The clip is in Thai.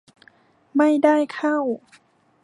ไม่ได้เข้า